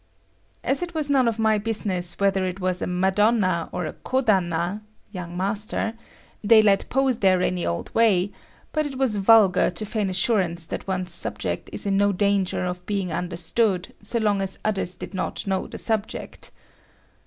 As it was none of my business whether it was a Madonna or a kodanna (young master), they let pose there any old way, but it was vulgar to feign assurance that one's subject is in no danger of being understood so long as others did not know the subject.